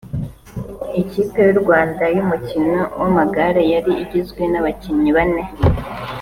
ikipe y’u Rwanda y’umukino w’amagare yari igizwe n’abakinnyi bane